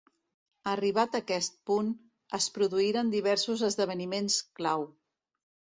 Arribat aquest punt, es produïren diversos esdeveniments clau.